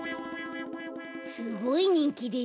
すごいにんきですな。